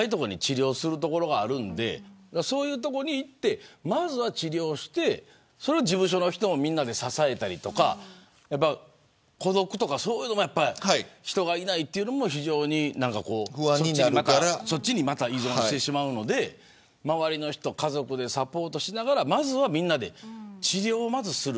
まず自治体とかに治療する所があるんでそういう所に行ってまずは治療してそれを事務所の人もみんなで支えたり孤独とかそういうのも人がいないというのも非常に、そっちにまた依存してしまうので周りの人、家族でサポートしながらまずは、みんなで治療をする。